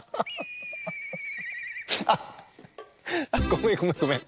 あっあっごめんごめんごめん。